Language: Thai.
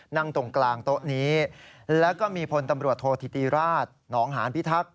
นั่งตรงกลางโต๊ะนี้แล้วก็มีพลตำรวจโทษธิติราชหนองหานพิทักษ